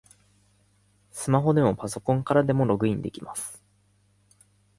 スマホでもパソコンからでもログインできます